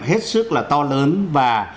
hết sức là to lớn và